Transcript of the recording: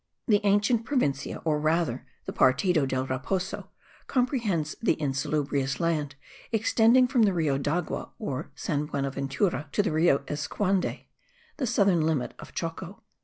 The ancient Provincia, or rather the Partido del Raposo, comprehends the insalubrious land extending from the Rio Dagua, or San Buenaventura, to the Rio Iscuande, the southern limit of Choco.)